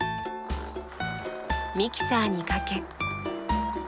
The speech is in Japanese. ミキサーにかけ。